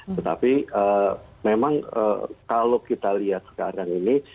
tetapi memang kalau kita lihat sekarang ini